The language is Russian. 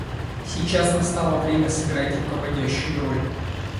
Сейчас настало время сыграть руководящую роль.